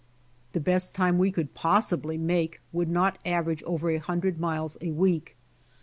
The best time w^e could possibly make would not average over a hundred miles a week.